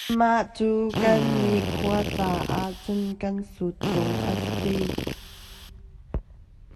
Lam a cet.